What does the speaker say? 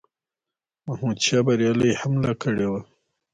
محمودشاه بریالی حمله کړې وه.